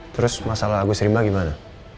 terus masalah agus rimba gimana